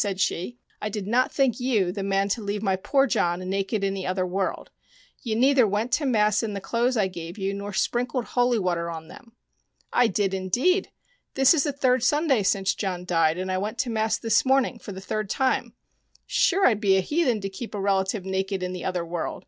" said she. " I did not think you the man to leave my poor John naked in the other world. You neither went to mass in the clothes I gave you nor sprinkled holy water on them." " I did, indeed. This is the third Sunday since John died, and I went to mass this morning for the third time. Sure I'd be a heathen to keep a relative naked in the other world.